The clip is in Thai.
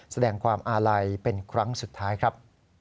แสดงความอาลัยเป็นครั้งสุดท้ายครับ